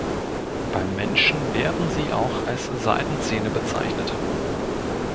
Beim Menschen werden sie auch als Seitenzähne bezeichnet.